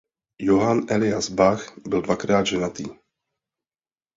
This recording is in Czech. Johann Elias Bach byl dvakrát ženatý.